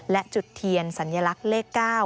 และจุดเทียนสัญลักษณ์เลข๙